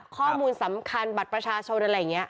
ข้อมูลสำคัญบัตรประชาชนอะไรอย่างนี้